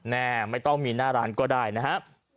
แม่ไม่ต้องมีหน้าร้านก็ได้นะครับ